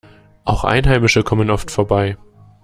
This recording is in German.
Auch Einheimische kommen oft vorbei.